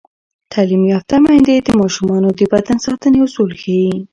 تعلیم یافته میندې د ماشومانو د بدن ساتنې اصول ښيي.